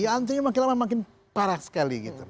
ya antrinya makin lama makin parah sekali gitu